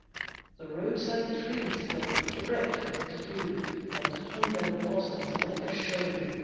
The roadside trees still dripped with dew, And hung their blossoms like a show.